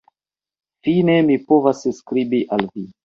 Fine mi povas skribi al vi.